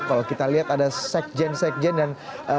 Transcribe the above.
kalau kita lihat ada sekjen